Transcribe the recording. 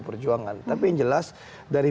perjuangan tapi yang jelas dari